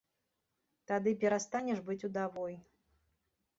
Тады перастанеш быць удавой.